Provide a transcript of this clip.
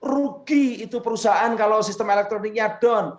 rugi itu perusahaan kalau sistem elektroniknya down